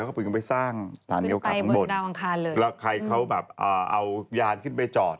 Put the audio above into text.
แล้วเขาก็ไปสร้างสถานีอวกาศข้างบนแล้วใครเขาแบบเอายานขึ้นไปจอด